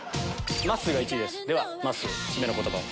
まっすーが１位ですではまっすー締めの言葉を。